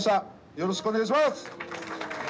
よろしくお願いします。